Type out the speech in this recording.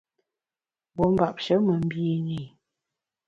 Wuo mbapshe me mbine i.